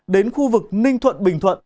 đến khu vực ninh thuận bình thuận